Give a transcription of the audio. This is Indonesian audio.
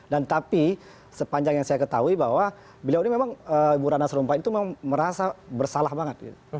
dan tapi sepanjang yang saya ketahui bahwa beliau ini memang bu ratna serumpah itu merasa bersalah banget